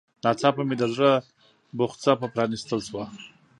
ناڅاپه مې د زړه بوخڅه په پرانيستل شوه.